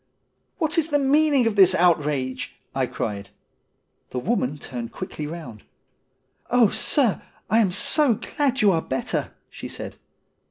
' What is the meaning of this outrage ?' I cried. The woman turned quickly round. ' Oh, sir, I am so glad you are better,' she said.